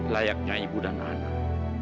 layaknya ibu dan anak